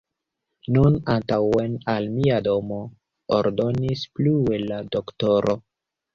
Nun antaŭen al mia domo, ordonis plue la doktoro.